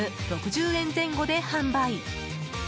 ６０円前後で販売。